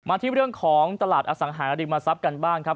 ที่เรื่องของตลาดอสังหาริมทรัพย์กันบ้างครับ